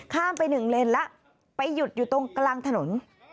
ไปหนึ่งเลนแล้วไปหยุดอยู่ตรงกลางถนน